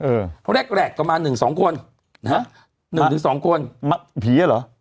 แรกแรกประมาณหนึ่งสองคนนะฮะหนึ่งถึงสองคนมาผีอ่ะเหรอ